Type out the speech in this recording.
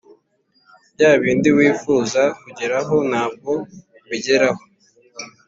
bya bindi wifuza kugeraho ntabwo ubigeraho.